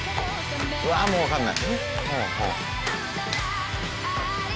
うわもうわかんない。